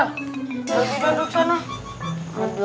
yaudah sekarang aku duduk